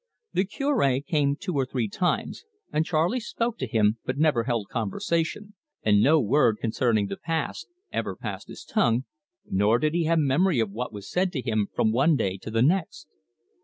The Cure came two or three times, and Charley spoke to him but never held conversation, and no word concerning the past ever passed his tongue, nor did he have memory of what was said to him from one day to the next.